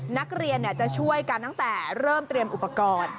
นักเรียนจะช่วยกันตั้งแต่เริ่มเตรียมอุปกรณ์